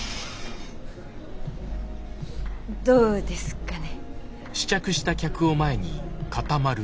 どうですかね？